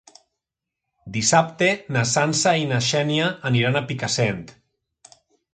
Dissabte na Sança i na Xènia aniran a Picassent.